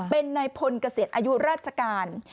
เป็นนายพลเกษียณอายุราชการ